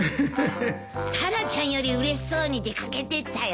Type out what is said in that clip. タラちゃんよりうれしそうに出掛けていったよ。